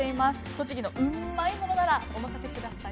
栃木のうんまいものならお任せください。